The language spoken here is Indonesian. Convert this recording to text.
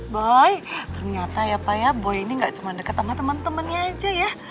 boy ternyata ya pak ya boy ini nggak cuma dekat sama temen temennya aja ya